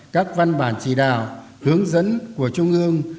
các văn bản chỉ đạo hướng dẫn của trung ương